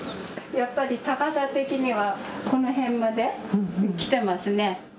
高さ的にはこの辺まで来てますね。